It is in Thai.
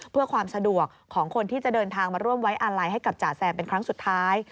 เพื่อความสะดวกของคนที่จะเดินทางมาร่วมไว้อาลัยให้กับจ่าแซมเป็นครั้งสุดท้าย